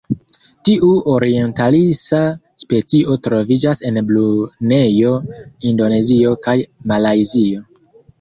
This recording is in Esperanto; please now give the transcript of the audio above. Tiu orientalisa specio troviĝas en Brunejo, Indonezio kaj Malajzio.